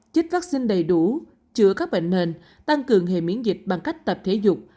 chích vắc xin đầy đủ chữa các bệnh hình tăng cường hệ miễn dịch bằng cách tập thể dục